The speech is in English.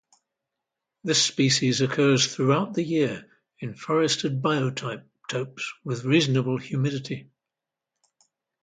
This species occurs throughout the year in forested biotopes with reasonable humidity.